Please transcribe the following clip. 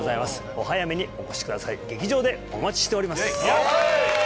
お早めにお越しください劇場でお待ちしております